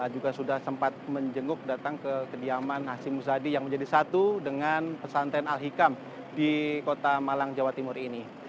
juga sudah sempat menjenguk datang ke kediaman hasim muzadi yang menjadi satu dengan pesantren al hikam di kota malang jawa timur ini